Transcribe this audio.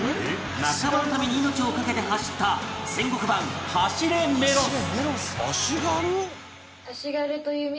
仲間のために命をかけて走った戦国版『走れメロス』